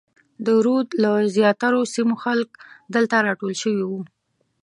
د رود له زیاترو سیمو خلک دلته راټول شوي وو.